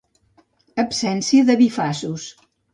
Absència de bifaços.